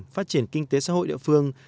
phát triển kinh tế xã hội địa phương